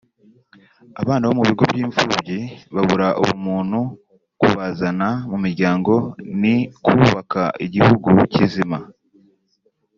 abana bo mu bigo by’imfubyi babura ubumuntu kubazana mu miryango niko kubaka igihugu kizima